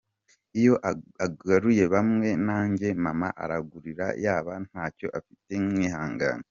Iyo aguriye bamwe nanjye mama arangurira yaba ntacyo afite nkihangana.